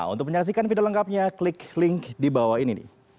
untuk menyaksikan video lengkapnya klik link di bawah ini